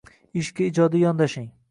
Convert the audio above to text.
Ishga ijodiy yondoshing.